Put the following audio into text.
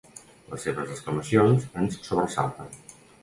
Les seves exclamacions ens sobresalten.